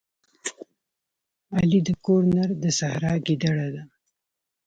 علي د کور نر د سحرا ګیدړه ده.